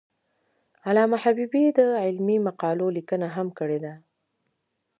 علامه حبیبي د علمي مقالو لیکنه هم کړې ده.